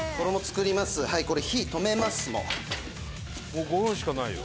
もう５分しかないよ。